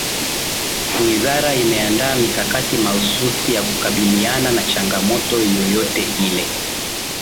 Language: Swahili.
Wizara imeandaa mikakati mahsusi ya kukabiliana na changamoto yoyote ile